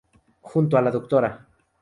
Junto a la Dra.